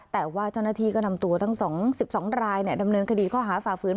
แต่ว่าเจ้าหน้าที่ก็นำตัวทั้ง๒๒รายดำเนินคดีข้อหาฝ่าฝืน